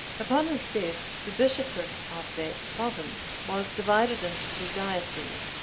Upon his death, the bishopric of that province was divided into two dioceses.